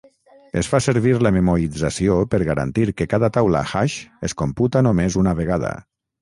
Es fa servir la memoització per garantir que cada taula hash es computa només una vegada.